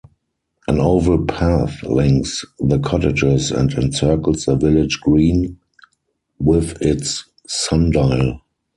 An oval path links the cottages and encircles the village green with its sundial.